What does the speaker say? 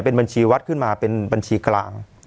เป็นบัญชีวัดขึ้นมาเป็นบัญชีกลาง